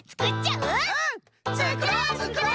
うん！